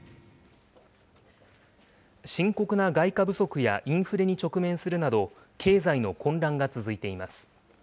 深刻な外貨不足やインフレに直面するなど、経済の混乱が続いています。